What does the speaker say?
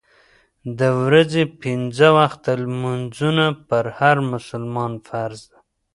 د ورځې پنځه وخته لمونځونه پر هر مسلمان فرض دي.